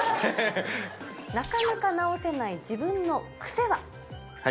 なかなか直せない自分の癖は？